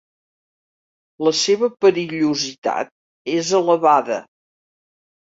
La seva perillositat és elevada.